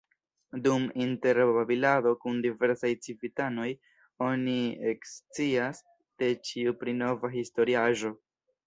Dum interbabilado kun diversaj civitanoj, oni ekscias de ĉiu pri nova historiaĵo.